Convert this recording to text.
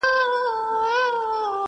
كنډواله كي نه هوسۍ نه يې درك وو.!